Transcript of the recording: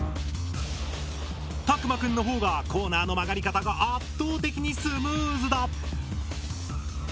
たくまくんの方がコーナーの曲がり方が圧倒的にスムーズだ。